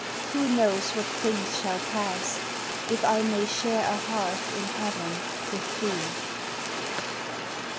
Who knows what things shall pass? If I may share A hearth in heaven with thee?